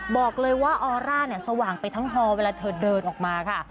บอกเลยว่าออร่าเนี่ยสว่างไปทั้งฮอเวลาเธอเดินออกมาค่ะ